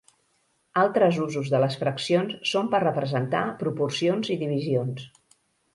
Altres usos de les fraccions són per representar proporcions i divisions.